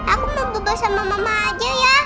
aku mau berbual sama mama aja ya